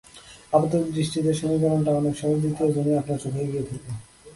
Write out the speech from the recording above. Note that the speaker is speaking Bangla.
আপাত দৃষ্টিতে সমীকরণটা অনেক সহজ, দ্বিতীয় জনই আপনার চোখে এগিয়ে থাকবে।